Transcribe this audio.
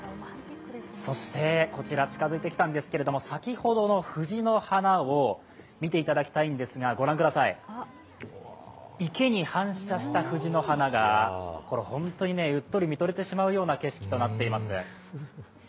そして、こちら近づいてきたんですけれども、先ほどの藤の花を見ていただきたいんですが、ご覧ください、池に反射した藤の花が本当にうっとり見とれてしまうような景色となっています。